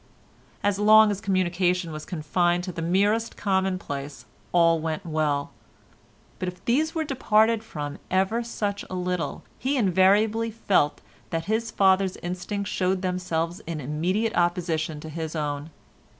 As long as communication was confined to the merest commonplace all went well, but if these were departed from ever such a little he invariably felt that his father's instincts showed themselves in immediate opposition to his own.